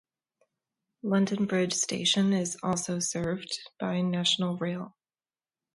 London Bridge station is also served by National Rail.